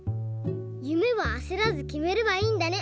ゆめはあせらずきめればいいんだね。